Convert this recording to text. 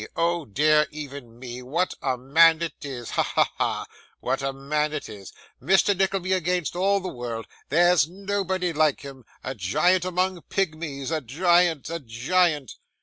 Oh dear, even me. What a man it is! Ha, ha, ha! What a man it is! Mr Nickleby against all the world. There's nobody like him. A giant among pigmies, a giant, a giant!